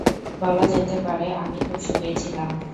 বলা যেতে পারে আমি খুব সুখেই ছিলাম।